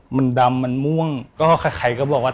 มันดำมันม่วงก็ใครก็บอกว่า